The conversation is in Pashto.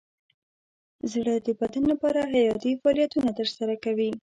زړه د بدن لپاره حیاتي فعالیتونه ترسره کوي.